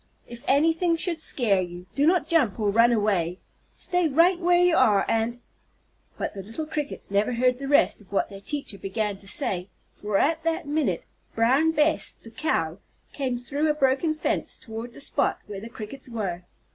If anything should scare you, do not jump or run away. Stay right where you are, and " But the little Crickets never heard the rest of what their teacher began to say, for at that minute Brown Bess, the Cow, came through a broken fence toward the spot where the Crickets were.